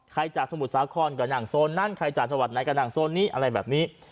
ใครจากสมุดสาครกระหนังโซนนั้นใครจากชาวัดไหนกระหนังโซนนี้อะไรแบบนี้